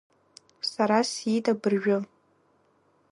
Сара сиит абыржәы.